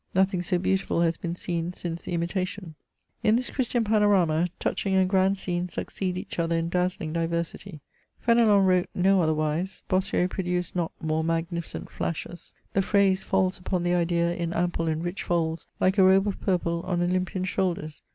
Nothing so beautiful has been seen since the ImUation. In this Christian panorama, touching and grand sceaes succeed each other in dazzling diversity. Fenelon wrote no otherwise ; Bossuet produced not more magnificent flashes. The phrase falls upon the idea in ample and rich folds, like a robe of purple on Olympian shoulders.